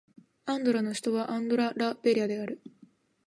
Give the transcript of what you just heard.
アンドラの首都はアンドラ・ラ・ベリャである